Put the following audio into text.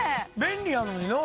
便利やのにな。